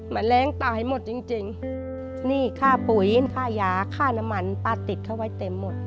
แมลงตายหมดจริงจริงหนี้ค่าปุ๋ยค่ายาค่าน้ำมันป้าติดเขาไว้เต็มหมด